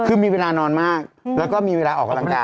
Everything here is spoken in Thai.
คือมีเวลานอนมากแล้วก็มีเวลาออกกำลังกาย